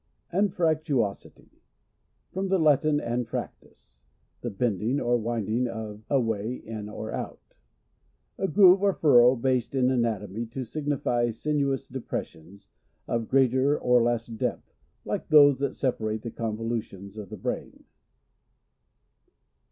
Anfractuosity. — From the Latin, av frtirtus, the bending or winding of a way in or out. A groove or fur row — used in anatomy to signily sinuous depressions, of greater or less depth, like those that separate the convolutions of the brain.